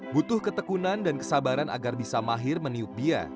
butuh ketekunan dan kesabaran agar bisa mahir meniup dia